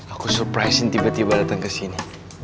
aku surprise tiba tiba datang ke sini